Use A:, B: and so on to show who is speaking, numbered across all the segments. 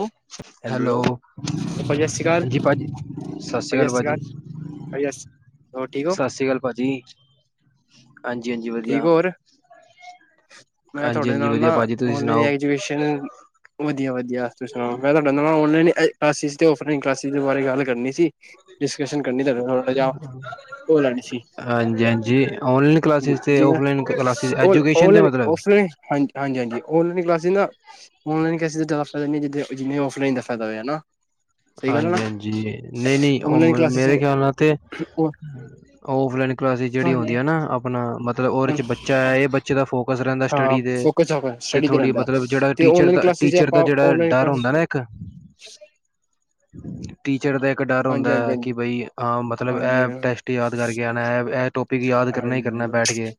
A: ਓ
B: hello
A: ਭਾਜੀ ਸਤਿ ਸ਼੍ਰੀ ਅਕਾਲ,
B: ਹਾਂਜੀ ਭਾਜੀ ਸਤਿ ਸ਼੍ਰੀ ਅਕਾਲ ਭਾਜੀ
A: ਭਾਜੀ ਸ਼੍ਰੀ ਹੋਰ ਠੀਕ ਹੋ,
B: ਸਤਿ ਸ੍ਰੀ ਅਕਾਲ ਭਾਜੀ ਹ ਹਾਂਜੀ ਹਾਂਜੀ ਵਧੀਆ
A: ਠੀਕ ਹੋ ਹੋਰ ਮੈਂ
B: ਹਾਂਜੀ
A: ਤੁਹਾਡੇ
B: ਹਾਂਜੀ
A: ਨਾਲ
B: ਵਧੀਆ
A: ਨਾ
B: ਭਾਜੀ ਤੁਸੀਂ
A: ਓਨਲਾਈਨ
B: ਸੁਣਾਓ
A: ਐਜੂਕੇਸ਼ਨ ਵਧੀਆ ਵਧੀਆ ਵਧੀਆ ਤੁਸੀ ਸੁਣਾਓ ਮੈਂ ਤੁਹਾਡਾ ਨਾਲ ਔਨਲਾਈਨ ਕਲਾਸਿਸ ਔਫਲਾਈਨ ਕਲਾਸਿਸ ਦੇ ਬਾਰੇ ਗੱਲ ਕਰਨੀ ਸੀ ਡਿਸਕਸ਼ਨ ਕਰਨੀ ਤੁਹਾਡੇ ਨਾਲ ਥੋੜਾ ਜਾ ਉਹ ਲੈਣੀ ਸੀ
B: ਹਾਂਜੀ-ਹਾਂਜੀ ਔਨਲਾਈਨ ਕਲਾਸਿਸ ਤੇ ਆਫਲਾਈਨ ਕਲਾਸਿਸ ਐਜੂ
A: ਆਨਲਾਈਨ -ਓਫਲਾਈਨ ਹਾਂਜੀ, ਹਾਂਜੀ, ਹਾਂਜੀ ਔਨਲਾਈਨ ਕਲਾਸਿਸ ਨਾ ਔਲਾਈਨ ਕਲਾਸਿਸ ਜਿਆਦਾ ਫਾਇਦਾ ਨਹੀਂ ਹੈ ਜਿੱਦਾਂ ਜਿੰਨੇ ਓਫਲਾਈਨ ਫਾਇਦਾ ਹੋਇਆ ਨਾ ਸਹੀ ਗੱਲ ਹੈ ਨਾ
B: ਹਾਂਜੀ ਹਾਂਜੀ ਨਹੀਂ ਨਹੀਂ ਉਹ
A: ਔਨਲਾਈਨ ਕਲਾਸਿਸ
B: ਮੇਰੇ ਖਿਆਲ ਨਾਲ ਤੇ ਓਫਲਾਈਨ ਕਲਾਸਿਸ ਜਿਹੜੀ ਹੁੰਦੀ ਨਾ ਆਪਣਾ ਮਤਲਬ ਉਹਦੇ ਬੱਚਾ ਹੈ ਇਹ ਬੱਚੇ ਦਾ ਫੋਕ ਕਲੋਜ ਰਹਿੰਦਾ
A: ਹਾਂ
B: ਸਟੱਡੀ ਦੇ
A: ਫੋਕਸ
B: ਤੇ
A: ਸਟੱਡੀ
B: ਥੋੜੀ
A: ਰਹਿੰਦਾ।
B: ਮਤਲਬ ਜਿਹੜਾ
A: ਤੇ
B: ਟੀਚਰ
A: ਔਨਲਾਈਨ
B: ਦਾ
A: ਕਲਾਸਿਸ
B: ਟੀਚਰ ਦਾ
A: ਆਪਾਂ
B: ਜਿਹੜਾ
A: ਔਨਲਾਈਨ
B: ਡਰ
A: ਕਲਾਸਿਸ
B: ਹੁੰਦਾ ਨਾ ਇੱਕ, ਟੀ ਟੀਚਰ ਦਾ ਇੱਕ ਡਰ
A: ਹਾਂਜੀ
B: ਹੁੰਦਾ
A: ਹਾਂਜੀ ਹਾਂਜੀ
B: ਕਿ ਬਈ ਹਾਂ ਮਤਲਬ
A: ਹਾਂਜੀ
B: ਇਹ ਟੈਸਟ ਯਾਦ ਕਰਕੇ ਆਣਾ ਐ
A: ਹਾਂਜੀ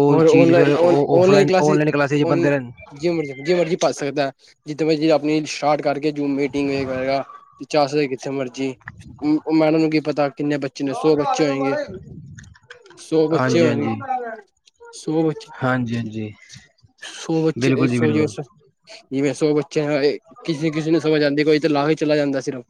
B: ਉਹ
A: ਹੋਰ
B: ਚੀਜ਼ ਫਿਰ
A: ਅੋਨਲਾਈਨ
B: ਉਹ
A: ਔਨਲਾਈਨ
B: ਆਫਲਾਈਨ
A: ਕਲਾਸਿਸ
B: ਬੰਦੇ ਰਹਿਣ
A: ਜਿਵੇਂ ਮਰਜ਼ੀ ਜਿਵੇਂ ਮਰਜ਼ੀ ਭਰ ਸਕਦਾ। ਜਿੱਥੇ ਜਿਵੇਂ ਆਪਣੀ ਸਟਾਰਟ ਕਰਕੇ ਜੂਮ ਮੀਟਿੰਗ ਵੀ ਕਰੇਗਾਂ [unintelligible] ਜਿੱਥੇ ਮਰਜੀ ਉਹ ਮੈਡਮ ਅੱਗੇ ਪਤਾ ਕਿੰਨੇ ਬੱਚੇ ਨੇ
B: ਜਾਓ
A: ਸੌ
B: ਘਰ
A: ਬੱਚੇ ਹੋਏਂਗੇ।
B: ਹਮਾਰੇ ਹਾਂਜੀ ਹਾਂਜੀ ਹਾਂਜੀ ਹਾਂਜੀ
A: ਸੋ ਬੱਚੇ
B: ਬਿਲਕੁਲ ਜੀ
A: ਸੋਰੀ
B: ਬਿਲਕੁਲ
A: ਸੋ ਜਿਵੇਂ ਸੌ ਬੱਚਿਆਂ ਕਿਸੇ ਕਿਸੇ ਨੂੰ ਸਮਝ ਆਂਦੀ ਹੈ ਕੋਈ ਤੇ ਲਾ ਹੀ ਚਲਾ ਜਾਂਦਾ ਸਿਰਫ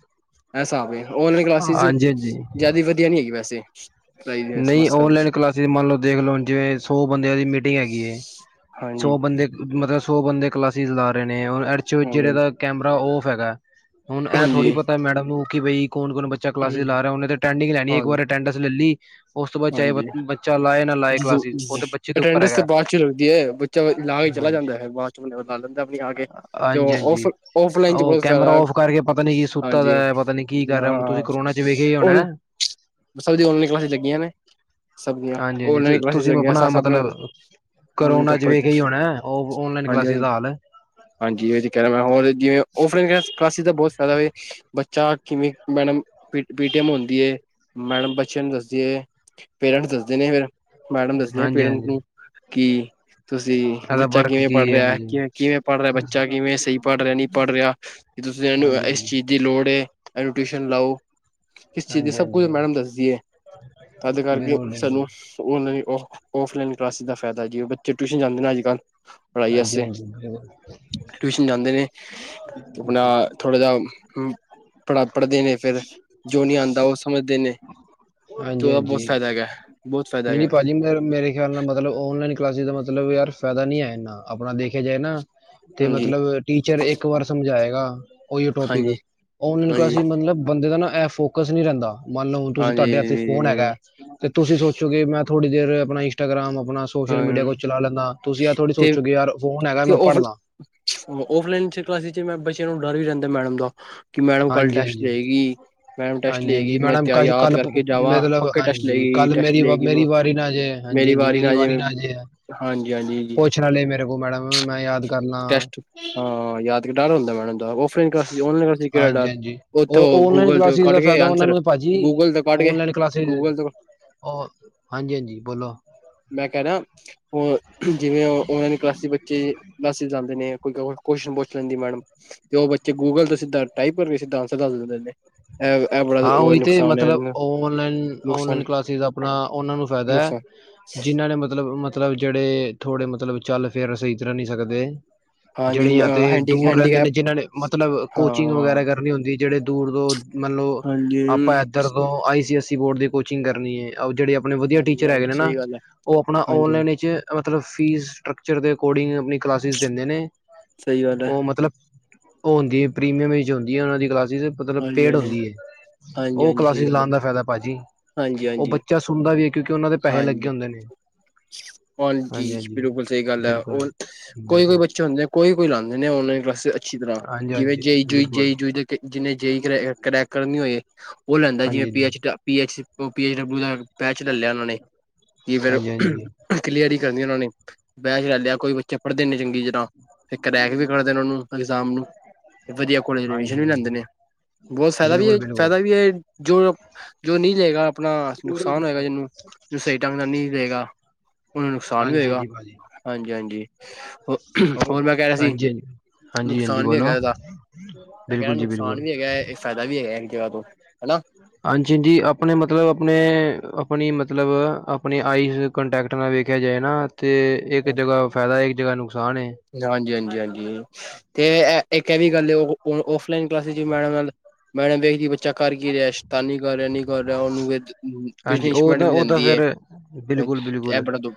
A: ਐਸਾ ਔਨਲਾਈਨ ਕਲਾਸਿਸ
B: ਹਾਂਜੀ ਹਾਂਜੀ
A: ਜ਼ਿਆਦਾ ਵਧੀਆ ਨਹੀਂ ਹੈਗੀ ਵੈਸੇ, ਹੁ
B: ਨਹੀਂ ਔਨਲਾਈਨ ਕਲਾਸਿਸ ਮੰਨ ਲਓ ਦੇਖ ਲੋ ਜਿਵੇਂ ਸੋ ਬੰਦਿਆਂ ਦੀ ਮੀਟਿੰਗ ਹੈਗੀ ਹੈ।
A: ਹਾਂਜੀ
B: ਸੌ ਬੰਦੇ ਮਤਲਬ ਸੌ ਬੰਦੇ ਕਲਾਸਿਸ ਲਾ ਰਹੇ ਨੇ ਔਰ ਐੜ ਚ ਜੇੜੇ
A: ਹਾਂਜੀ
B: ਦਾ ਕੈਮਰਾ ਓਫ ਹੈਗਾ ਐ। ਹੁਣ ਏਹ ਥੋੜ੍ਹੀ
A: ਹਾਂਜੀ
B: ਪਤਾ ਮੈਡਮ ਨੂੰ ਕਿ ਬਈ ਕੋਨ ਕੋਨ ਬੱਚਾ ਕਲਾਸਿਸ ਲਾ ਰਿਹਾ, ਓਨੇ ਤੇ ਟੈਂਡਿੰਗ ਈ ਲੈਣੀ, ਇੱਕ
A: ਹਾਂਜੀ
B: ਵਾਰ ਅਟੈਂਡੈਂਸ ਲੈਲੀ ਹ
A: ਹਾਂਜੀ,
B: ਕਲਾਸਿਸ ਉਹ
A: ਜੀ-ਜੀ-ਸ
B: ਤੇ ਬੱਚੇ ਦੇ ਉੱਪਰ
A: ਅਟੈਂਡਸ ਤਾਂ
B: ਹੈਗਾ।
A: ਬਾਅਦ ਚ ਲੱਗਦੀ ਐ, ਬੱਚਾ ਲਾ ਕੇ ਚਲਾ
B: ਹਾਂਜੀ।
A: ਜਾਂਦਾ ਹੈ। ਬਾਅਦ ਚ ਲਾ ਲੈਂਦਾ ਆਪਣੁ ਆ ਕੇ, ਤੇ
B: ਹਾਂਜੀ
A: ਓਫ
B: ਹਾਂਜੀ।
A: ਓਫਲਾਈਨ ਚ
B: ਉਹ
A: ਬਹੁਤ
B: ਕੈਮਰਾ
A: ਫਾਇਦਾ।
B: ਔਫ ਕਰਕੇ ਪਤਾ ਨੀ ਕੀ ਸੁੱਤਾ ਦਾ
A: ਹਾਂਜੀ,
B: ਪਤਾ ਨੀ ਕੀ ਕਰ ਰਿਹਾ ਹੁਣ ਤੁਸੀਂ
A: ਹਾਂ।
B: ਕਰੋਨਾ ਚ ਵੇਖਿਆ ਹੀ ਹੋਣਾ।
A: ਬਸ ਉਹਦੀ ਔਨਲਾਈਨ ਕਲਾਸ ਲੱਗੀਆਂ ਨੇ। ਸਬ ਦੀਆਂ,
B: ਹਾਂਜੀ
A: ਹੋਰ
B: ਹਾਂਜੀ
A: ਨਵੀ ਕਲਾਸਿਸ
B: ਤੁਸੀਂ
A: ਲਗੀਆਂ [unintelligible]
B: ਆਪਣਾ
A: ਸਾਫ ਸਾਫ ਬਣਾਈ
B: ਮਤਲਬ
A: ਹੁਣ
B: ਕਰੋਨਾ ਚ ਵੇਖਿਆ ਹੀ ਹੋਣਾ ਉਹ ਔਨਲਾਈਨ ਕਲਾਸਿਸ
A: ਹਾਂਜੀ
B: ਦਾ ਹਾਲ
A: ਹਾਂਜੀ ਜਿਵੇਂ ਉ [unintelligible] ਓਫ ਲਾਇਨ ਕਲਾਸਿਸ ਦਾ‌ ਬਹੁਤ ਫਾਇਦਾ ਜੀ ਬੱਚਾ ਕਿਵੇਂ ਮੈਡਮ ਪੀਟੀਐਮ ਹੁੰਦੀਏ। ਮੈਡਮ ਬੱਚਿਆਂ ਨੂੰ ਦੱਸਦੀ ਏ ਪੇਰੈਂਟਸ ਦੱਸਦੇ ਨੇ ਫਿਰ ਮੈਡਮ ਦੱਸਣੀ ਆ
B: ਹਾਂਜੀ
A: ਪੇਰੈਂਟਸ
B: ਹਾਂਜੀ
A: ਨੂੰ ਕੀ? ਤੁਸੀਂ
B: ਇਹਦਾ
A: ਬੱਚਾ
B: ਵਰਕ
A: ਕਿਵੇਂ
B: ਕੀ
A: ਪੜ੍ਹ
B: ਹੈ
A: ਰਿਐ ਐ।
B: ਹਾਂਜੀ।
A: ਕਿਵੇਂ ਕਿਵੇਂ ਪੜ੍ਹ ਰਿਆ ਬੱਚਾ, ਕਿਵੇਂ ਸਹੀ ਪੜ੍ਹ ਰਿਆ, ਨਹੀਂ ਪੜ੍ਹ ਰਿਆ। ਕਿ ਤੁਸੀਂ ਇਹਨੂੰ
B: ਹਾਂਜੀ
A: ਇਸ
B: ਹਾਂਜੀ।
A: ਚੀਜ਼ ਦੀ ਲੋੜ ਏ, ਇਹਨੂੰ ਟਿਊਸ਼ਨ ਲਾਓ ਇਸ ਚੀਜ਼ ਦੀ
B: ਹਾਂਜੀ
A: ਸਭ
B: ਹਾਂਜੀ
A: ਵੀ ਮੈਡਮ ਦੱਸਦੀ ਐ। ਐਦੇ ਕਰ ਕੇ
B: ਬਿਲਕੁਲ ਬਿਲਕੁਲ
A: ਸਾਨੂੰ ਓ ਹ ਨੀ ਓਹ ਓਫਲਾਇਨ ਰਸ ਦਫ ਫਾਇਦਾ ਕੀ ਐ, ਬੱਚੇ ਟਿਊਸ਼ਨ ਜਾਂਦੇ ਨੇ, ਅਜ ਕਲ ਪੜ੍ਹਾਈ
B: ਹਾਂਜੀ
A: ਵਾਸਤੇ,
B: ਹਾਂਜੀ ਬਿਲਕੁਲ
A: ਟਿਊਸ਼ਨ ਜਾਂਦੇ ਨੇ। ਆਪਣਾ,
B: ਹਾਂਜੀ
A: ਥੋੜ ਜਾ ਪੜਾ ਪੜ੍ਹਦੇ ਨੇ ਫਿਰ, ਜੋ ਨਹੀਂ ਆਂਦਾ ਓ ਸ ਸਮਝਦੇ ਨੇ। ਤੇ
B: ਹਾਂਜੀ
A: ਐਦਾ ਬਹੁਤ ਫਾਇਦਾ ਹੈਗਾ। ਬਹੁਤ ਫਾਇਦਾ
B: ਨਹੀਂ
A: ਹੈਗਾ
B: ਨਹੀਂ ਭਾਜੀ ਮੇਰੇ ਖਿਆਲ ਨਾ ਮਤਲਬ, ਔਨਲਾਈਨ ਕਲਾਸਿਸ ਦਾ ਮਲਬ ਮਤਲਬ ਯਾਰ ਫਾਇਦਾ ਨੀ ਹੈ ਐਨਾ, ਆਪਣਾ ਦੇਖਿਆ ਜਾਏ ਨਾ ਤੇ
A: ਹਾਂਜੀ
B: ਮਤਲਬ, ਟੀਚਰ ਇੱਕ ਵਾਰ ਸਮਝਾਏਗਾ, ਉਹੀ
A: ਹਾਂਜੀ,
B: ਟੋਪਿਕ। ਓਨਲਾਈਨ
A: ਹਾਂਜੀ,
B: ਕਲਾਸਿਸ ਮਤਲਬ ਬੰਦੇ ਦਾ ਨਾ ਐ ਫੋਕਸ ਨਹੀਂ ਰੈਂਦਾ। ਮੰਨ ਲਓ ਤੁਸੀਂ,
A: ਹਾਂਜੀ
B: ਤਾਡੇ ਹੱਥ ਫੋਨ ਹੈਗਾ ਐ, ਤੇ ਤੁਸੀਂ ਸੋ ਫੇ ਮੈਂ ਥੋੜ੍ਹੀ ਦੇਰ ਆਪਣਾ ਇੰਸਟਾਗਾਮ ਆਪਣਾ ਸੋਸ਼ਲ ਮੀਡੀਆ
A: ਹਾਂ
B: ਕੁਛ ਚਲਾ ਲੈਂਨਾ, ਤੁਸੀਂ ਏਹ ਥੋੜ੍ਹੀ
A: ਤੇ
B: ਸੋਚੋਗੇ ਯਾਰ ਫੋਨ ਹੈਗਾ
A: ਤੇ
B: ਮੈਂ
A: ਓ
B: ਪੜ੍ਹ
A: ਫਿਰ,
B: ਲਾਂ
A: ਔਫਲਾਈਨ ਭਾਜੀ ਜਿਵੇਂ ਬੱਚਿਆਂ ਨੂੰ ਡਰ ਵੀ ਰਹਿੰਦਾ ਮੈਡਮ ਦਾ। ਕਿ ਮੈਡਮ ਕੱਲ
B: ਹਾਂਜੀ
A: ਟੈਸਟ
B: ਹਾਂਜੀ,
A: ਦੇਗੀ ਮੈਡਮ ਟੈਸਟ
B: ਹਾਂਜੀ
A: ਲਏਗੀ
B: ਹਾਂਜੀ।
A: ਮੈਂ
B: ਮੈਡਮ ਕੱਲ
A: ਯਾਦ
B: ਕੱਲ
A: ਕਰਕੇ ਜਾਵਾਂ
B: ਪ-ਅ-ਕ-ਮਤਲਬ
A: ਪੱਕੇ ਟੈਸਟ
B: ਹਾਂਜੀ।
A: ਲਏਗੀ
B: ਕੱਲ
A: ਟੈਸਟ
B: ਮੇਰੀ ਵ
A: ਲਏਗੀ
B: ਮੇਰੀ ਵਾਰੀ ਨਾ ਜੇ, ਹਾਂਜੀ ਹਾਂਜੀ ਮੇਰੀ ਵਾਰੀ ਨਾ ਆਜੇ।
A: ਹਾਂਜੀ, ਹਾਂਜੀ ਜੀ
B: ਪੁੱਛ ਲੈਂਦਾ ਮੇਰੇ ਕੋਲ ਮੈਡਮ ਹੁਣ ਮੈਂ ਯਾਦ। ਕਰ ਲਾਂ
A: ਟੈਸਟ ਹਾਂ ਯਾਦ ਡਰ ਹੁੰਦਾ ਮੈਡਮ [inaudible] ਦਾ ਓ ਫੇਕਾਸ ਦੂਰ ਆਰ
B: ਹਾਂਜੀ
A: ਕੈਡਾਲ
B: ਹਾਂਜੀ
A: ਓਥ
B: ਉਹ ਓਨਲਾਈਨ ਕਲਾਸਿਸ ਦਾ ਫਾਇਦਾ ਉਹਨਾਂ ਨੂੰ ਹੈ ਭਾਜੀ ਓਨਲਾਈਨ ਕਲਾਸਿਸ ਉਹ ਹਾਂਜੀ ਹਾਂਜੀ ਬੋਲੋ
A: [unintelligible] ਮੈਸੇਜ ਆਂਦੇ ਨੇ ਕੋਈ ਕੁਝ ਕਸਤਿਓ [unintelligible]
B: ਹਾਂ ਉਹੀ ਤੇ ਮਤਲਬ ਆਨਲਾਈਨ
A: ਨੁਕਸਾਨ
B: ਆਨਲਾਈਨ ਕਲਾਸੈਸ ਆਪਣਾ ਉਹਨਾਂ ਦਾ ਫਾਇਦਾ ਹੈ
A: ਨੁਕਸਾਨ
B: ਜਿਹਨਾਂ ਨੇ ਮਤਲਬ ਮਤਲਬ ਜਿਹੜੇ ਥੋੜੇ ਮਤਲਬ ਚੱਲ ਫਿਰ ਸਹੀ ਤਰ੍ਹਾਂ ਨਹੀਂ ਸਕਦੇ।
A: ਹਾਂਜੀ
B: ਜਿਹੜੀਆਂ ਅਤੇ
A: ਹੈਂਡੀ
B: ਦੂਰ ਰਹਿੰਦੇ
A: ਹੈਂਡੀਕੈਪ
B: ਨੇ ਜਿਹਨਾਂ ਨੇ ਮਤਲਬ
A: ਹਾਂ
B: ਕੋਚਿੰਗ ਵਗੈਰਾ ਕਰਨੀ ਹੁੰਦੀ। ਜਿਹੜੇ ਦੂਰ ਦੂਰ ਮਤਲਬ ।
A: ਹਾਂਜੀ
B: ਆਪਾਂ ਏਧਰ ਤੋਂ I C S E. Board ਦੀ ਕੋਚਿੰਗ ਕਰਨੀ ਹੈ ਆਓ ਜਿਹੜੇ ਆਪ । ਆਪਣੇ ਵਧੀਆ
A: ਹਾਂਜੀ
B: ਟੀਚਰ ਹੈਗੇ
A: ਹਾਂਜੀ
B: ਨੇ ਨਾ
A: ਸਹੀ ਗੱਲ ਹੈ
B: ਉਹ ਆਪਣਾ
A: ਹਾਂਜੀ
B: ਓਨਲਾਈਨ ਵਿੱਚ । ਮਤਲਬ ਫੀਸ ਸਟਰੱਕਚਰ ਦੇ ਅਕੋਰਡਿੰਗ ਆਪਣੀ । ਕਲਾਸਿਸ ਦਿੰਦੇ ਨੇ
A: ਸਹੀ ਗੱਲ ਹੈ
B: ਉਹ ਮਤਲਬ । ਉਹ ਹੁੰਦੀ ਹੈ ਪ੍ਰੀਮੀਅਮ ਵਿਚ ਹੁੰਦੀ ਹੈ ਉਹਨਾਂ ਦੀ ਕਲਾਸ । ਜਿਹਦੇ ਮਤਲਬ
A: ਹਾਂਜੀ
B: ਪੇਡ
A: ਹਾਂਜੀ
B: ਹੁੰਦੀ ਹੈ ।
A: ਹਾਂਜੀ
B: ਉਹ
A: ਹਾਂਜੀ ਸਹੀ
B: ਕਲਾਸਿਸ
A: ਗੱਲ
B: ਲਾਉਣ ਦਾ ਫਾਇਦਾ ਹੈ ਭਾਜੀ
A: ਹਾਂਜੀ
B: ਉਹ
A: ਹਾਂਜੀ
B: ਬੱਚਾ ਸੁਣਦਾ ਵੀ ।
A: ਹਾਂਜੀ -ਹਾਂਜੀ ਬਿਲਕੁਲ ਸਹੀ ਗੱਲ ਹੈ
B: ਬਿਲਕੁਲ
A: ਉਹ ਕੋਈ
B: ਬਿਲਕੁਲ
A: -ਕੋਈ ਬੱਚੇ ਹੁੰਦੇ ਕੋਈ -ਕੋਈ ਲਾਉਂਦੇ ਨੇ ਉਨਲਾਈਨ ਕਲਾਸਿਸ- ਅੱਛੀ ਤਰ੍ਹਾਂ
B: ਹਾਂਜੀ
A: ਜਿਵੇਂ
B: ਹਾਂਜੀ
A: ਜਈ ਜੂਈ
B: ਬਿਲਕੁਲ
A: ਜਈ ਜੂਈ ਜਿੰਨੇ ਜਈ ਕਰ ਕਰੈਕਰ ਨੀ ਹੋਏ । ਉਹ ਲੈਂਦਾ ਜਿਵੇਂ
B: ਹਾਂਜੀ
A: ਪੀ
B: ਜੀ
A: ਐੱਚ ਡਾ P H P H W ਦਾ । ਪੈਚ ਲੈ ਲਿਆ ਉਹਨਾਂ ਨੇ ਕੀ ਫਿਰ
B: ਹਾਂਜੀ ਹਾਂਜੀ
A: ਕਲੀਅਰ ਹੀ ਕਰਨੀ ਉਹਨਾਂ ਨੇ । ਬੈਚ ਲੈ ਲਿਆ ਕੋਈ ਬੱਚੇ ਪੜ੍ਹਦੇ ਨੀ ਚੰਗੀ ਤਰਾਂ ਤੇ ਕਰੈਕ ਵੀ ਕਰਦੇ ਨੇ ਉਹਨੂੰ ਐਗਜ਼ਾਮ ਨੂੰ ਵਧੀਆ ਕੋਲੇਜ ਵਿੱਚ ਐਡਮਿਸ਼ਨ
B: ਹਾਂਜੀ
A: ਵੀ ਲੈਂਦੇ ਨੇ
B: ਹਾਂਜੀ
A: ਬਹੁਤ ਫਾਇਦਾ ਵੀ
B: ਬਿਲਕੁਲ
A: ਹੈ
B: ਬਿਲਕੁਲ
A: ਫਾਇਦਾ ਵੀ ਹੈ ਜੋ ਜੋ ਨਹੀਂ ਲਏਗਾ ਆਪਣਾ ਨੁਕਸਾਨ ਹੋਏਗਾ ਉਹਨਾਂ ਨੂੰ । ਜੋ ਸਹੀ ਢੰਗ ਨਾਲ ਨਹੀਂ ਦਏਗਾ ਉਹਨੂੰ ਨੁਕਸਾਨ ਵੀ
B: ਹਾਂਜੀ
A: ਹੋਏਗਾ
B: ਹਾਂਜੀ ਭਾਜੀ
A: । ਹਾਂਜੀ- ਹਾਂਜੀ ਹੋ ਹੋਰ ਮੈਂ ਕਹਿ ਰਿਹਾ ਸੀ
B: ਹਾਂਜੀ ਹਾਂਜੀ ਹਾਂਜੀ ਹਾਂਜੀ
A: ਨੁਕਸਾਨ ਵੀ
B: ਬੋਲੋ
A: ਹੈਗਾ ਇਹਦਾ ਮੈਂ ਕਹਿ ਰਿਹਾ
B: ਬਿਲਕੁਲ ਜੀ
A: ਨੁਕਸਾਨ
B: ਬਿਲਕੁਲ
A: ਵੀ ਹੈਗਾ ਇਕ ਫਾਇਦਾ ਵੀ ਹੈਗਾ ਇੱਕ ਜਗ੍ਹਾ ਤੋਂ ।
B: ਹਾਂਜੀ- ਹਾਂਜੀ ਆਪਣੇ ਮਤਲਬ ਆਪਣੇ ਆਪਣੀ ਮਤਲਬ । ਮਤਲਬ ਆਪਣੀ ਆਈਜ਼ ਕਾਂਟੈਕਟ ਨਾਲ ਵੇਖਿਆ ਜਾਏ ਨਾ । ਤੇ ਇੱਕ ਜਗ੍ਹਾ ਫਾਇਦਾ ਹੈ । ਜ ਨੂੰ ।
A: ਹਾਂਜੀ ਹਾਂਜੀ ਹਾਂਜੀ ਤੇ ਐ ਇੱਕ ਇਹ ਵੀ ਗੱਲ ਔ ਔਫਲਾਈਨ ਕਲਾਸ ਚ ਮੈਡਮ ਨਾਲ ਮੈਡਮ ਵੇਖਦੀ ਬੱਚਾ ਕਰ ਕੀ ਰਿਹਾ ਸ਼ੈਤਾਨੀ ਕਰ ਰਿਹਾ ਨੀ ਉਹਨੂੰ
B: ਹਾਂਜੀ ਉਹ
A: ਪਨਿਸ਼ਮੈਂਟ
B: ਤਾਂ
A: ਵੀ
B: ਉਹ ਤਾਂ
A: ਦਿੰਦੀ ਹੈ
B: ਫੇਰ ਬਿਲਕੁਲ
A: ਇਹ
B: ਬਿਲਕੁਲ
A: ਬੜਾ ਦੁ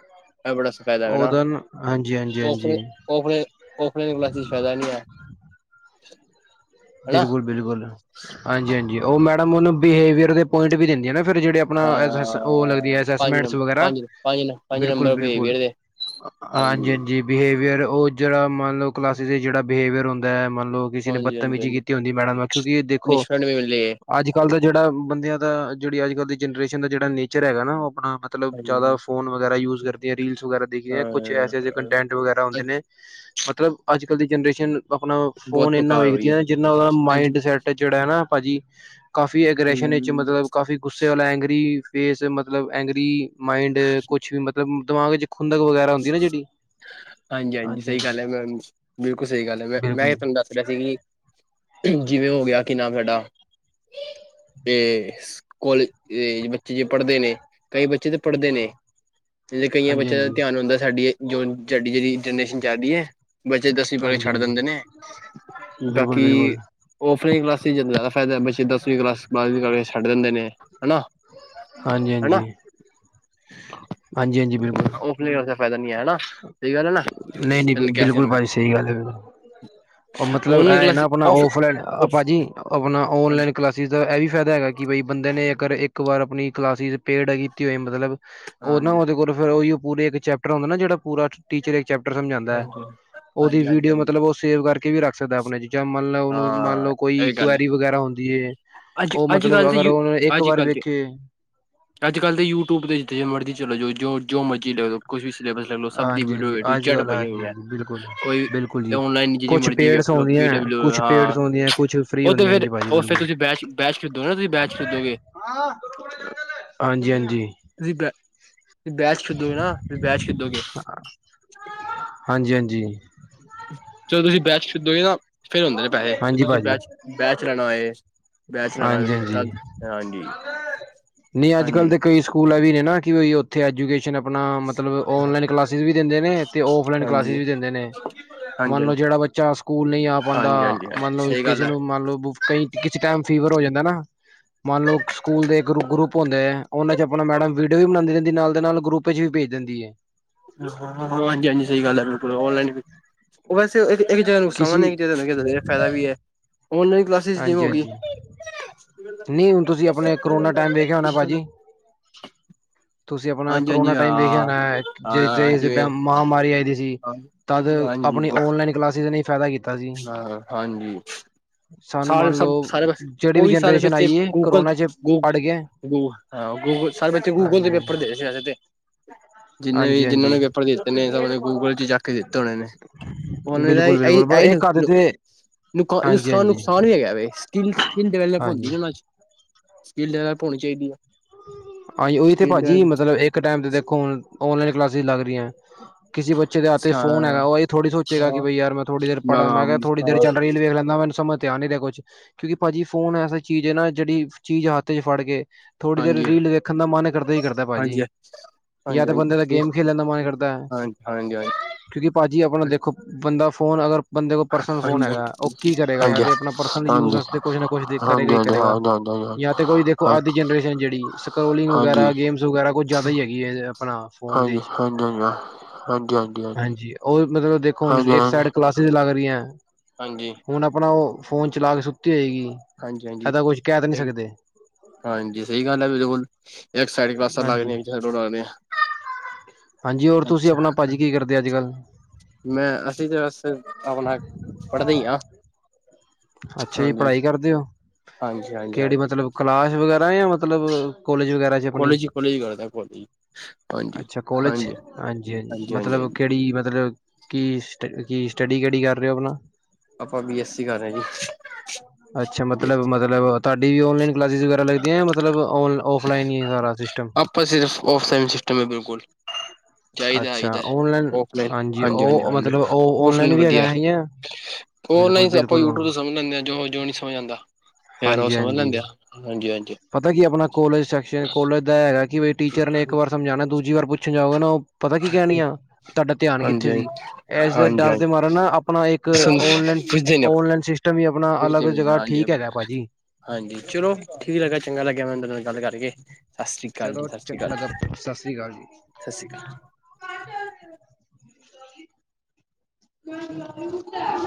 A: ਇਹ ਬੜਾ ਸਫਾਇਦਾ ਹੈਗਾ ਨਾ
B: ਉਹਦਾ ਹਾਂਜੀ ਹਾਂਜੀ
A: ਉਹ
B: ਹਾਂਜੀ
A: ਫ ਔਫਲਾਈਨ ਕਲਾਸ ਫਾਇਦਾ ਨਹੀਂ ਹੈ [inaudible] ਹਨਾ
B: ਬਿਲਕੁਲ -ਬਿਲਕੁਲ ਹਾਂਜੀ ਹਾਂਜੀ ਉਹ ਮੈਡਮ ਉਹਨੂੰ ਬਿਹੇਵੀਹਰ ਦੇ ਪੁਆਇੰਟ ਵੀ ਦਿੰਦੀਆਂ ਨਾ ਫਿਰ ਜਿਹੜੇ ਆਪਣਾ ਉਹ ਲੱਰਾਦੀ
A: ਹਾਂ
B: ਆ
A: ਪੰਜ
B: ਅਸਸਮੈਂਟ
A: ਨੰ
B: ਵਗੈਰਾ
A: ਪੰਜ ਪੰਜ ਪੰਜ
B: ਬਿਲਕੁਲ-
A: ਨੰਬਰ ਪੇ
B: ਬਿਲਕੁਲ
A: ਵੀਰ ਦੇ
B: ਹਾਂਜੀ -ਹਾਂਜੀ ਬਿਹੇਵੀਅਰ ਉਹ ਜਿਹੜਾ ਮੈਂ ਕਲਾਸਿਸ ਜਿਹੜਾ ਬਿਹੇਵੀਅਰ ਹੁੰਦਾ ਹੈ ਮਤਲਬ ਲੋਕ ਕਿਸੇ ਨੇ ਬਸ
A: ਹਾਂਜੀ ਹਾਂਜੀ ਹਾਂਜੀ
B: ਕੀਤੀ ਹੁੰਦੀ ਮੈਡਮ ਨੂੰ ਕਿਉਂਕਿ ਦੇਖੋ
A: ਪਨਿਸ਼ਮੈਂਟ ਵੀ ਮਿਲੇ
B: ਅੱਜ ਕੱਲ੍ਹ ਦਾ ਜਿਹੜਾ ਬੰਦਿਆਂ ਦਾ ਜਿਹੜੀ ਅੱਜ ਕੱਲ ਦੀ ਜਨਰੇਸ਼ਨ ਦਾ ਜਿਹੜਾ ਨੇਚਰ ਹੈਗਾ ਨਾ ਉਹ ਆਪਣਾ ਮਤਲਬ
A: ਹਾਂਜੀ ਹਾਂ
B: ਜ਼ਿਆਦਾ ਫੋਨ ਵਗੈਰਾ ਯੂਜ਼ ਕਰਦੇ। ਦੇ ਰੀਲਸ ਵਗੈਰਾ ਦੇਖਦੇ ਕੁਛ ਐਸੇੇ
A: ਹਾਂ,
B: ਕੰਟੈਂਟ ਵਗੈਰਾ ਹੁੰਦੇ
A: ਅੱਜ
B: ਨੇ ਮਤਲਬ ਅੱਜ ਅੱਜ ਕੱਲ ਦੀ ਜਨਰੇਸ਼ਨ ਆਪਣਾ
A: ਬਹੁਤ
B: ਫੋਨ ਇੰਨਾ
A: ਬੇਕਾਰ ਹੋ
B: ਵੇਖ
A: ਰਹੀ ਹੈ
B: ਜਿੰਨਾ -ਜਿੰਨਾ ਉਹਦਾ
A: ਅੱਜ
B: ਮਾਈੰਡ ਸੈੱਟ ਜਿਹੜਾ ਭਾਜੀ। ਕਾਫੀ ਐਗਰੇਸ਼ਨ ਵਿੱਚ
A: ਹਮ
B: ਮਤਲਬ ਕਾਫੀ ਗੁੱਸੇ ਵਾਲਾ ਏਂਗਰੀ ਫੇਸ ਮਤਲਬ ਐਂਗਰੀ ਮਾਇੰਡ ਕੁਛ ਵੀ ਮਤਲਬ ਦਿਮਾਗ ਚ ਖੁੰਦਕ ਵਗੈਰਾ ਹੁੰਦੀ ਨਾ ਜਿਹੜੀ
A: ਹਾਂਜੀ- ਹਾਂਜੀ ਸਹੀ ਗੱਲ ਹੈ ਮੈਂ ਬਿਲਕੁਲ ਸਹੀ ਗੱਲ ਹੈ, ਮੈਂ
B: ਬਿਲਕੁਲ
A: ਮੈਂ
B: ਜੀ
A: ਤੁਹਾਨੂੰ ਦੱਸ ਰਿਹਾ ਸੀ ਕਿ ਜਿਵੇਂ ਹੋ ਗਿਆ ਕਿ ਨਾਮ ਸਾਡਾ ਤੇ ਕੋਲਜ ਬੱਚੇ ਜੇ ਪੜ੍ਹਦੇ ਨੇ ਕਈ ਬੱਚੇ ਤਾਂ ਪੜ੍ਹਦੇ ਨੇ, ਤੇਂ ਕਈਆਂ
B: ਹਾਂਜੀ
A: ਬੱਚਿਆਂ ਦਾ
B: ਹਾਂਜੀ
A: ਧਿਆਨ ਹੁੰਦਾ ਸਾਡੀ ਜੌਨ ਸਾਡੀ ਜਿਹੜੀ ਜਨਰੇਸ਼ਨ ਚੱਲਦੀ ਹੈ। ਬੱਚੇ ਦਸਵੀਂ ਪਾ ਕੇ
B: ਹਾਂਜੀ
A: ਛੱਡ
B: ਹਾਂਜੀ
A: ਦਿੰਦੇ ਨੇ
B: ਬਿਲਕੁਲ
A: ਬਾਕੀ
B: ਬਿਲਕੁਲ
A: ਓਫਲਾਈਨ ਕਲਾਸਿਸ ਜ਼ਿਆਦਾ ਫਾਇਦਾ ਬੱਚੇ ਦਸਵੀਂ ਕਲਾਸ ਬਾਰਵੀਂ ਪਾ ਕੇ ਛੱਡ ਦਿੰਦੇ ਨੇ ਹੈ ਨਾ
B: ਹਾਂਜੀ ਹਾਂਜੀ ਹਾਂਜੀ ਹਾਂਜੀ ਬਿਲਕੁਲ
A: ਓਫਲਾਈਨ ਹੋਣ ਦਾ ਫਾਇਦਾ ਨਹੀਂ ਹੈ। ਨਾ ਗੱਲ ਹੈ
B: ਨਹੀਂ- ਨਹੀਂ
A: ਤੈਨੂੰ ਕਿਹਾ ਸੀ
B: ਬਿਲਕੁਲ
A: ਉਹਨੂੰ।
B: ਭਾਜੀ ਸਹੀ ਗੱਲ ਹੈ, ਉਹ ਮਤਲਬ
A: ਔਨਲਾਈਨ
B: ਇਹ ਨਾ
A: ਕਲਾਸ
B: ਆਪਣਾ
A: ਔਫ
B: ਓਫਲਾਈਨ
A: ਔਫ
B: ਭਾਜੀ ਆਪਣਾ
A: ਹਾਂਜੀ
B: ਔਨਲਾਈਨ ਕਲਾਸਿਸ ਦਾ ਇਹ ਵੀ ਫਾਇਦਾ ਹੈਗਾ ਕਿ ਬਈ ਬੰਦੇ ਨੇ ਇੱਕ ਵਾਰੀ, ਇੱਕ ਵਾਰ ਆਪਣੀ ਕਲਾਸ ' ਪੇੜ ਕੀਤੀ ਹੋਏ ਮਤਲਬ ਉਹ ਨਾ
A: ਹਾਂਜੀ
B: ਉਹਦੇ ਕੋਲੋਂ ਫਿਰ ਉਹੀ ਪੂਰੇ ਇੱਕ ਚੈਪਟਰ ਹੁੰਦਾ ਨਾ ਜਿਹੜਾ ਪੂਰਾ ਟੀਚਰ ਚੈਪਟਰ ਸਮਝਾਂਦਾ ਹੈ,
A: ਹਾਂਜੀ
B: ਉਹਦੀ
A: ਹਾਂਜੀ ਹਾਂਜੀ
B: ਵੀਡੀਓ
A: ਹਾਂਜੀ
B: ਮਤਲਬ ਉਹ ਸੇਵ ਕਰਕੇ, ਕੇ ਇਹ ਵੀ ਰੱਖ ਸਕਦਾ ਆਪਣੇ ਜੀ, ਜਾਂ ਮੰਨਲਓ ਉਹਨੂੰ ਮੰਨ ਲਓ
A: ਹਾਂ
B: ਕੋਈ
A: ਇਹ ਗੱਲ ਹੈ
B: ਕੁਵੈਰੀ ਵਗੈਰਾ ਹੁੰਦੀ ਹੈ
A: ਅੱਜ
B: ਉਹ
A: ਅੱਜ
B: ਮਤਲਬ
A: ਕੱਲ੍ਹ ਤੇ
B: ਅਗਰ
A: ਯੂ
B: ਉਹਨ ਇੱਕ
A: ਅੱਜ
B: ਵਾਰ
A: ਕੱਲ੍ਹ ਤੇ
B: ਵਖ
A: ਅੱਜ ਕੱਲ ਤੇ ਯੂਟੀਊਬ ਤੇ ਜ ਮਰਜ਼ੀ ਚਲੋ ਜਾ। ਜੋ ਜੋ ਮਰਜ਼ੀ ਲ ਕੁਛ ਵੀ ਲ ਸਭ
B: ਹਾਂਜੀ
A: ਦੀਓ
B: ਹਾਂਜੀ ਅੱਜ
A: ਜੱ
B: ਕੱਲ੍ਹ
A: ਪ
B: ਹਾਂਜੀ
A: ਹੋ
B: ਹਾਂਜੀ ਬਿਲਕੁਲ
A: ਕੋਈ
B: ਬਿਲਕੁਲ ਜੀ
A: ਆਨਲਾਈਨ ਨੂੰ ਜਿਨੀ
B: ਕੁਛ
A: ਮਰਜ਼ੀ ਵੇਖ
B: ਪੇਡਸ
A: ਲ ਪੀ
B: ਹੁੰਦੀਆਂ
A: ਡਬਲਿਊ
B: ਕੁਛ ਪੇਡ
A: ਹਾਂ
B: ਹੁੰਦੀਆਂ ਕੁਛ ਫਰੀ
A: ਉਹ ਤੇ
B: ਹੁੰਦੀਆਂ
A: ਫਿਰ
B: ਹਾਜੀ
A: ਉਹ ਫਿਰ
B: ਬਿਲਕੁਲ
A: ਤੁਸੀਂ ਬੈਚ ਬੈਚ ਖਰੀਦੋਗੇ ਨਾ ਤੁਸੀਂ ਬੈਚ ਖਰੀਦੋਗੇ
B: ਹਾਂਜੀ ਹਾਂਜੀ
A: [unintelligible] ਤੁ ਬੈਚ ਖਰੀਦੋਗੇ ਨਾ ਤੁ ਬੈਚ ਖਰੀਦੋਗੇ।
B: ਹਾਂਜੀ ਹਾਂਜੀ
A: ਚਲੋ ਤੁਸੀਂ ਬੈਚ ਛੱਦੋਗੇ ਨਾ। ਫਿਰ ਹੁੰਦੇ ਨੇ ਪੈਸੇ ਜੇ
B: ਹਾਂਜੀ
A: ਤੁਸੀਂ
B: ਭਾਜੀ
A: ਬੈਚ ਬੈਚ ਲੈਣਾ ਹੋਏ। ਬੈਚ ਲੈਣਾ
B: ਹਾਂਜੀ
A: ਤੁਸੀਂ ਤਾਂ
B: ਹਾਂਜੀ
A: ਹਾਂਜੀ
B: ਨਹੀਂ ਅੱਜ ਕੱਲ
A: ਹਾਂਜੀ
B: ਦੇ ਕਈ ਸਕੂਲ ਐ ਵੀ ਨੇ ਨਾ ਕੀ ਹੋਈ ਉੱਥੇ ਐਜੂਕੇਸ਼ਨ ਆਪਣਾ ਮਤਲਬ ਓਨਲਾਈਨ ਕਲਾਸਿਸ ਵੀ ਦਿੰਦੇ ਨੇ ਤੇ ਫਲਾਈਨ ਕਲਾਸਿਸ
A: ਹਾਂਜੀ ਹਾਂਜੀ
B: ਵੀ ਦਿੰਦੇ ਨੇ
A: ਹਾਂਜੀ
B: ਮੰਨ
A: ਹਾਂਜੀ
B: ਲਓ ਜਿਹੜਾ ਬੱਚਾ ਸਕੂਲ ਨਹੀਂ ਆ ਪਾਉਂਦਾ
A: ਹਾਂਜੀ ਹਾਂਜੀ
B: ਮਨਲਬ
A: ਸਹੀ ਗੱਲ
B: ਕਿਸੇ
A: ਹੈ
B: ਨੂੰ ਮੰਨ ਲਓ ਕਈ ਟਾਈਮ ਫੀਵਰ ਹੋ ਜਾਂਦਾ ਨਾ ਮੰਨ ਲਓ ਸਕੂਲ ਦੇ ਇੱਕ ਗਰੁੱਪ ਹੁੰਦੇ ਹੈ ਉਹਨਾਂ ਚ ਆਪਣਾ ਮੈਡਮ ਵੀਡੀਓ ਵੀ ਬਣਾਉਂਦੇ ਰਹਿੰਦੀ ਨਾਲ ਦੇ ਨਾਲ ਗਰੁੱਪ ਚ ਵੀ ਭੇਜ ਦਿੰਦੀ ਹੈ।
A: ਹਾਂਜੀ ਹਾਂਜੀ ਸਹੀ ਗੱਲ ਹੈ ਬਿਲਕੁਲ ਔਨਲਾਈਨ ਉਹ ਬੈਸੇ ਇਹ ਇੱਕ ਜਗ੍ਹਾ ਨੁਕਸਾਨ
B: ਕਿਸੀ
A: ਹੈ ਜਗਾ ਫਾਇਦਾ ਵੀ ਹੈ। ਔਨਲਾਈਨ ਕਲਾਸਿਸ ਜਿਵੇਂ
B: ਹਾਂਜੀ
A: ਹੋ ਗਈ
B: ਹਾਂਜੀ ਨਹੀਂ ਹੁਣ ਤੁਸੀਂ ਆਪਣੇਕਰੋਨਾ ਟਮ ਵੇਖਿਆ ਹੋਣਾ ਭਾਜੀ। ਤੁਸੀਂ ਆਪਣਾ
A: ਹਾਂਜੀ
B: ਕਰੋਨਾ
A: ਹਾਂਜੀ
B: ਟਾਈਮ ਵੇਖਿਆ
A: ਹਾਂ
B: ਹੋਣਾ ਹੈ ਜੇ
A: ਹਾਂ
B: ਜੇ
A: ਜਿਵੇਂ
B: ਮਹਾਂਮਾਰੀ ਆਈ ਦੀ ਸੀ ਤਦ
A: ਹਾਂਜੀ
B: ਆਪਣੀ
A: ਬਹੁਤ
B: ਔਨਲਾਈਨ ਕਲਾਸਿਸ ਨੇ ਸਦਾ।
A: ਹਾਂ ਹਾਂਜੀ।
B: ਸਾਨੂੰ
A: ਸਾਲ
B: ਮੰਨ
A: ਸਭ
B: ਲਓ
A: ਸਾਰੇ
B: ਜਿਹੜੀ ਵੀ
A: ਉਹੀ ਸਾਲ
B: ਜਨਰੇਸ਼ਨ
A: ਵਿੱਚ
B: ਆਈ ਹੈ
A: ਗੂਗਲ
B: ਕਰੋਨਾ ਚ
A: ਗੂੂ
B: ਪੜ ਗਿਆ।
A: ਹਾਂ ਗੂਗਲ ਸਾਰੇ ਵਿੱਚੇ ਗੂਗਲ ਦੇ
B: ਹਾਂਜੀ
A: ਪੇਪਰ ਦੇ ਸੀੇ ਤੇ ਜਿੰਨੇ ਵੀ
B: ਹਾਂਜੀ
A: ਜਿੰਹਨਾਂ
B: ਹਾਂਜੀ
A: ਨੂੰ ਪੇਪਰ ਦਿੱਤੇ ਨੇ ਤਾਂ ਉਹੂੰ ਗੂਗਲ ਚ ਜਾ ਕੇ ਦਿੱਤੇ ਹੋਣੇ ਨੇ ਉਹਨੇ ਦਾ
B: ਬਿਲਕੁਲ ਬਿਲਕੁਲ ਪਰ ਇਹ ਘਰ ਤੇ ਹਾਂਜੀ ਹਾਂਜੀ
A: ਨੁਕਸਾਨ ਵੀ ਹੈਗਾ। ਸਕ- ਸਕ -ਡਿਵੈਲਪ
B: ਹਾਂਜੀ
A: ਹੁੰਦੀ। ਉਹ ਜੀਨ ਨਾਲ ਪਾ ਹੋਣੀ ਚਾਹੀਦੀ ਹੈ।
B: ਹਾਂਜੀ। ਉਹੀ ਤੇ ਭਾਜੀ ਮਤਲਬ ਇੱਕ ਟਾਈਮ ਤੇ ਦੇਖੋ, ਹੁਣ ਓਨਲਾਈਨ ਕਲਾਸਿਸ ਲੱਗ ਰਹੀਆਂ। ਕਿਸੀ ਦਾਤੇ
A: ਹਾਂ
B: ਫੋ ਹੈਗਾ ਥੋੜ੍ਹੀੋ ਚੇਗਾ ਕਿ ਬਈ ਯਾਰ ਥੋੜ੍ਹੀ ਦੇਰ ੜਾਂ
A: ਹਾਂ
B: ਮੈਂ ਕਿਹਾ- ਥੋੜ੍ਹਾ ਦੇਰ ਚੱਲ ਰਹੀ ਲੇਖ ਲੈਂਦਾ ਮੈਨ ਸਮਝ ਧਿਆਨ ਨ ਰਿਹਾ ।ਕੁਛ ਕਿਉਂਕਿ ਭਾਜੀ ਫੋਨ ਐਸਸੀ ਚੀਜ਼ ਹੈ। ਨਾ ਜਿਹੜੀ ਚੀਜ਼ ਹੱਥ ਚ ਫੜ ਕੇ ਥੋੜ੍ਹੀ ਦੇਰ
A: ਹਾਂਜੀ
B: ਰੀਲ ਦੇਖਣ ਦਾ ਮਨ ਕਰਦਾ ਹੀ ਕਰਦਾ ਭਾਜੀ।
A: ਹਾਂਜੀ ਹਾਂਜੀ
B: ਜਾਂ
A: ਹਾਂਜੀ
B: ਤਾਂ ਬੰਦੇ ਦਾ ਗੇਮ ਖੇਲਣ ਦਾ ਮਨ ਕਰਦਾ।
A: ਹਾਂਜੀ ਹਾਂਜੀ
B: ਕਿਉਂਕਿ ਭਾਜੀ ਆਪਣਾ ਦੇਖੋ ਬੰਦਾ ਫੋ ਅਗਰ ਬੰਦੇ ਕੋਲ ਪਰਸਨਲ ਫੋਨ
A: ਹਾਂਜੀ ਹਾਂਜੀ
B: ਹੈਗਾ। ਉਹ ਕੀ ਕਰੇਗਾ ਜਾਂ
A: ਹਾਂਜੀ ਹਾਂਜੀ
B: ਤੇ ਆਪਣਾ ਪਰਸਨਲ ਯੂਜ
A: ਹਾਂਜੀ ਹਾਂਜੀ ਹਾਂਜੀ
B: ਵਾਸਤੇ ਕੁਛ ਨਾ ਕੁਛ ਕਰੇਗਾ ਹੀ
A: ਹਾਂਜੀ ਹਾਂਜੀ
B: ਕਰੇਗਾ। ਜਾਂ ਤੇ ਕੋਈ ਦੇਖੋ ਆਦਿ ਜਨਰੇਸ਼ਨ ਜਿਹੜੀ ਸਕੋਲਿੰਗ ਵਗੈਰਾ ਗੇਮਸ ਵਗੈਰਾ ਕੁਛ ਜਿਆਦਾ ਹੀ ਹੈਗੀ ਹੈ। ਆਪਣਾ ਫੋਨ ਦੇ
A: ਹਾਂਜੀ ਹਾਂਜੀ ਹਾਂਜੀ ਹਾਂਜੀ ਹਾਂਜੀ
B: ਵਿਚ
A: ਹਾਂਜੀ
B: ਹਾਂਜੀ, ਉਹ ਮਤਲਬ ਦੇਖੋ ਹੁਣ ਇੱਕ ਸਾਈਡ ਕਲਾਸਿਸ ਲੱਗ ਰਹੀਆਂ। ਹੁਣ ਆਪਣਾ ਉਹ ਫੋਨ ਚਲਾ ਕੇ ਸੁੱਤੀ ਹੋਏਗੀ।
A: ਹਾਂਜੀ-
B: ਇਹਦਾ ਕੁਛ ਕਹਿ ਤਾਂ ਨਹੀਂ
A: ਹਾਂਜੀ-
B: ਸਕਦੇ
A: ਹਾਂਜੀ। ਸਹੀ ਗੱਲ ਹੈ ਬਿਲਕੁਲ ਇੱਕ ਸਾਈਡ ਕਲਾਸ ਲੱਗ
B: ਹਾਂਜੀ
A: ਇੱਕ ਸਾਈਡ ਲਗ
B: ਹਾਂਜੀ ਹੋਰ ਤੁਸੀਂ
A: ਅੱਛਾ।
B: ਆਪਣਾ ਭਾਜੀ ਕੀ ਕਰਦੇ ਅੱਜ ਕੱਲ੍ਹ
A: ਮੈਂ ਅਸੀਂ ਤੇ ਬਸ ਆਪਣਾ ਪੜ੍ਹਦੇ ਹੀ ਹਾਂ।
B: ਅੱਛਾ ਜੀ
A: ਹਾਂਜੀ,
B: ।ਪੜ੍ਹਾਈ ਕਰ
A: ਹਾਂਜੀ, ਹਾਂਜੀ,
B: ਕਿਹੜੀ
A: ਹਾਂਜੀ
B: ਮਤਲਬ ਕਲਾਸ਼ ਵਗੈਰਾ ਦ। [unintelligible] ਮਤਲਬ ਕੋਲੇਜ ਵਗੈ। ਚ ਆਪਣੀ,
A: ਕੋਲੇਜ ਹੀ ਕੋਲੇਜ ਕਰਦਾ ਕੋਲੇਜ ਹਾਂਜੀ, ਹਾਂਜੀ,
B: ਅੱਛਾ ਕੋਲੇਜ,
A: ਹਾਂਜੀ,
B: ਹਾਂਜੀ -ਹਾਂਜੀ ਮਤਲਬ ਕਿਹੜੀ ਮਤਲਬ ਕੀ ਸਟ ਕੀ ਸਟੱਡੀ ਕਿਡੀ ਕਰ ਰਹੇ ਹੋ। ਆਪਣਾ
A: ਆਪਾਂ ਬੀ ਐੱਸ ਸੀਗਾ।
B: ਅੱਛਾ। ਮਤਲਬ- ਮਤਲਬ ਤੁਹਾਡੇ ਵੀ ਔਨਲਾਈਨ ਕਲਾਸਿਸ ਵਗੈ ਲੱਗਦੀਆਂ। ਮਤਲਬ ਔਲਾ ਔਫਲਾਈਨ ਹੀ ਹੈ। ਸਾਰਾ ਕੁਛ
A: ਆਪਾਂ ਸਿਰਫ ਔਫਲਾਈਨ ਸਿਸਟਮ ਹੈ। ਬਿਲਕੁਲ ਚਾਹੀਦਾ ਆਈ
B: ਅੱਛਾ
A: ਦਾ।
B: ਔਨਲਾਈਨ
A: ਓਫਲਾਈਨ ਹਾਂਜੀ
B: ਉਹ
A: -ਹਾਂਜੀ
B: ਮਤਲਬ
A: ਹ
B: ਉਹ ਔਨਲਾਈਨ
A: ਓਫਲਾਈਨ
B: ਵੀ ਹੈਗਾ
A: ਵਧੀਆ
B: ਜਾਂ ਬਿਲਕੁਲ
A: ਓਨਲਾਈਨ ਆਪਾਂ
B: ਬਿਲਕੁਲ
A: ਯੂਟਿਊਬ ਤੋਂ ਸਮਝ ਲੈਂਦੇ ਹਾਂ। ਜੋ- ਜੋ ਨਹੀਂ ਸਮਝ ਆਉਂਦਾ। ਯਾਰ ਉਹ
B: ਹਾਂਜੀ
A: ਸਮਝ
B: ਹਾਂਜੀ
A: ਲੈਂਦੇ ਆ। ਹਾਂਜੀ- ਹਾਂਜੀ।
B: ਪਤਾ ਕੀ ਆਪਣਾ ਕੋਲਜ ਸੈਕਸ਼ਨ ਕੋਲਜ ਦਾ ਹੈਗਾ ਕਿ ਬਈ ਟੀਚਰ ਨੇ ਇੱਕ ਵਾਰ ਸਮਝਾਉਣਾ ਦੂਜੀ ਵਾਰ ਪੁੱਛਣ ਜਾਊਗਾ ।ਨਾ ਉਹ ਪਤਾ ਕੀ ਕਹਿਣ ਗਿਆ ਆ ਤੁਹਾਡਾ ਧਿਆਨ ਕਿੱਥੇ
A: ਹਾਂਜੀ,
B: ਸੀ ਇਸ ਦੇ ਡਰ
A: ਹਾਂਜੀ,
B: ਦੇ ਮਾਰਨ ਨਾ ਆਪਣਾ ਇੱਕ ਓਨਲਾਈਨ,
A: ਹਾਂਜੀ ਪੁੱਛਦੇ ਨੀ ਆਪਾਂ
B: ਓਨਲਾਈਨ ਸਿਸਟਮ ਹੀ ਆਪਣਾ
A: ਪੁੱਛਦੇ
B: ਅਲੱਗ
A: ਵੀ ਨੀ
B: ਜਗ੍ਹਾ
A: ਹਾਂਜੀ,
B: ਠੀਕ ਹੈਗਾ ਭਾਜੀ।
A: ਹਾਂਜੀ ਚਲੋ ਠੀਕ ਲੱਗਾ ਚੰਗਾ ਲੱਗਿਆ ਮੈਨੂੰ ਤੁਹਾਡੇ ਨਾਲ ਕਰਕੇ [unintelligible]
B: ਚਲੋ
A: ਸਤਿ
B: ਚੰ
A: ਸ੍ਰੀ ਅਕਾਲ
B: ਮਤ
A: ਜੀ,
B: ਸਤਿ ਸ੍ਰੀ ਅਕਾਲ ਜੀ।
A: ਸਤਿ ਸ੍ਰੀ ਅਕਾਲ।